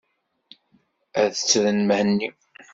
Ad ttren Mhenni.